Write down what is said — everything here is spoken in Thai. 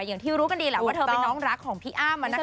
อย่างที่รู้กันดีแหละว่าเธอเป็นน้องรักของพี่อ้ำ